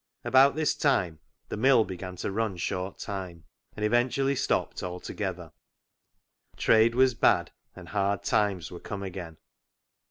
About this time the mill began to run short time, and eventually stopped altogether. Trade was bad, and hard times were come again.